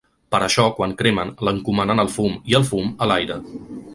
Per això, quan cremen, l’encomanen al fum, i el fum a l’aire.